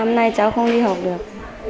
năm nay cháu không đi học được